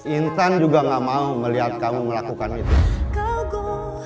intan juga gak mau melihat kamu melakukan itu